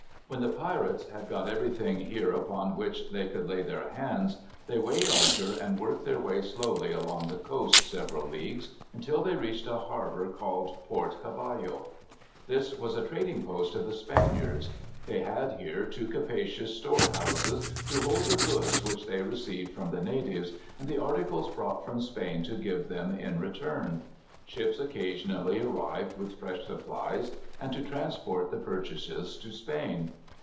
When the pirates had got everything here upon which they could lay their hands, they weighed anchor and worked their way slowly along the coast several leagues, until they reached a harbor called Port Cavallo. This was a trading post of the Spaniards. They had here two capacious store houses, to hold the goods which they received from the natives, and the articles brought from Spain to give to them in return. Ships occasionally arrived with fresh supplies, and to transport the purchases to Spain.